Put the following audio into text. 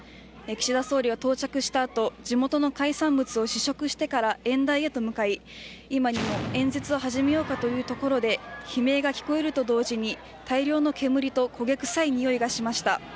岸田総理は到着した後地元の海産物を試食してから演台へと向かい今にも演説を始めようかというところで悲鳴が聞こえると同時に大量の煙と焦げ臭いにおいがしました。